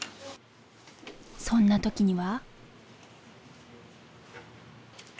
そんな時には。